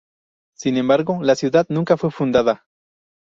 Sin embargo, la ciudad nunca fue fundada.